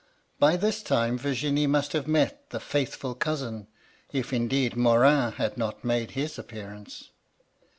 By this time Virginie must have met the ' faithful cousin :' if, indeed, Morin had not made his appearance.